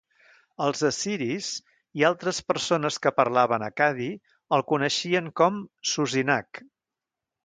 Els assiris i altres persones que parlaven accadi el coneixien com Susinak.